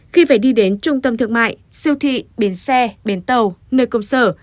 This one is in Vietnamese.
khi phải đi đến trung tâm thương mại siêu thị bến xe bến tàu nơi công sở